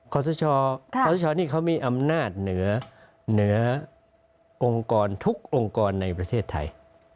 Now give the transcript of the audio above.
ขอสชนี่เขามีอำนาจเหนือเหนือองค์กรทุกองค์กรในประเทศไทย